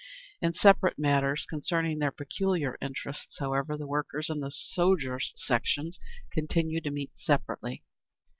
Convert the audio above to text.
In special matters concerning their peculiar interests, however, the Workers' and the Soldiers' Sections continued to meet separately.